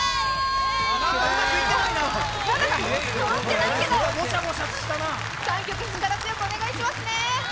なんだか、そろってないけど３曲力強くお願いしますね。